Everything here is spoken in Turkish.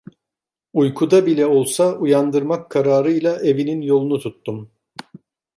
Uykuda bile olsa uyandırmak kararıyla, evinin yolunu tuttum.